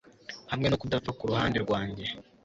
hamwe no kudapfa kuruhande rwanjye